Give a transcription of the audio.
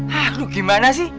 hah lu gimana sih